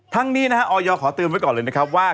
ทั้งนี้นะฮะออยขอเตือนไว้ก่อนเลยนะครับว่า